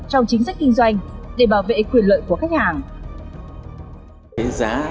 trong chính sách kinh doanh để bảo vệ quyền lợi của khách hàng